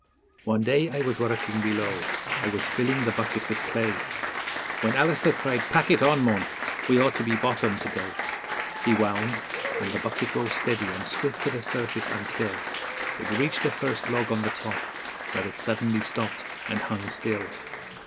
One day I was working below I was filling the bucket with clay, When Alister cried, 'Pack it on, mon! we ought to be bottomed to day.' He wound, and the bucket rose steady and swift to the surface until It reached the first log on the top, where it suddenly stopped, and hung still.